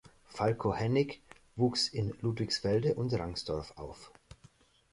Falko Hennig wuchs in Ludwigsfelde und Rangsdorf auf.